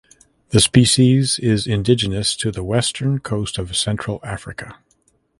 The species is indigenous to the western coast of Central Africa.